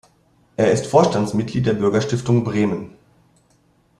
Er ist Vorstandsmitglied der Bürgerstiftung Bremen.